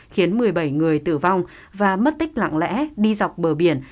khiến một mươi bảy người tử vong và mất tích lặng lẽ đi dọc bờ biển